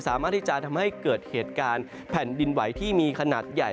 สามารถที่จะทำให้เกิดเหตุการณ์แผ่นดินไหวที่มีขนาดใหญ่